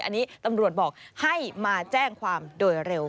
อันนี้ตำรวจบอกให้มาแจ้งความโดยเร็ว